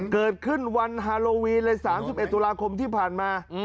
เกิดขึ้นวันฮาโลวีนเลย๓๑ตุลาคมที่ผ่านมา